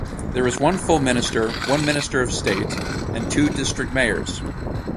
There is one full Minister, one Minister of State and two district mayors.